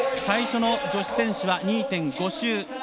最初の女子選手は２．５周。